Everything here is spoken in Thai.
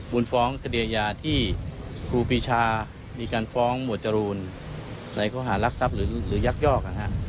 นฟ้องคดีอาญาที่ครูปีชามีการฟ้องหมวดจรูนในข้อหารักทรัพย์หรือยักยอก